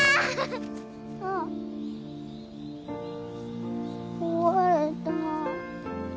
あっ壊れた。